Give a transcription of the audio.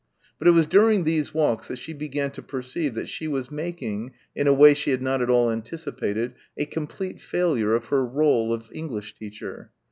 But it was during these walks that she began to perceive that she was making, in a way she had not at all anticipated, a complete failure of her rôle of English teacher.